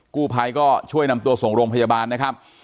กู้ภัยก็ช่วยนำตัวส่งโรงพยาบาลนะครับ